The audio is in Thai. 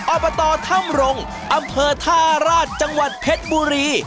ออปปอตตอร์ถ้ำรงย์อำเภอทาราชรัฐจังหวัดเผ็ดบุรี